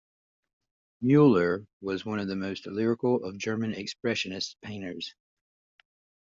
Mueller was one of the most lyrical of German expressionist painters.